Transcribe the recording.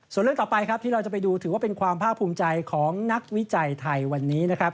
ส่วนเรื่องต่อไปครับที่เราจะไปดูถือว่าเป็นความภาคภูมิใจของนักวิจัยไทยวันนี้นะครับ